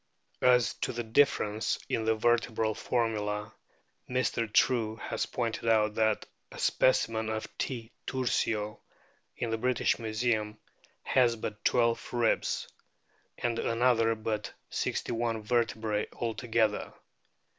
As to the difference in the vertebral formula, Mr. True has pointed out that a specimen of T. tursio in the British Museum has but twelve ribs, and another but sixty one vertebrae altogether.